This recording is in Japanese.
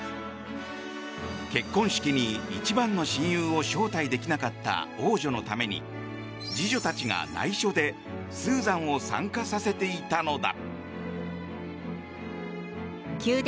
結婚式に一番の親友を招待できなかった王女のために侍女たちが内緒でスーザンを参加させていたのだ。